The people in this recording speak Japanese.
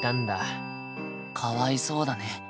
かわいそうだね。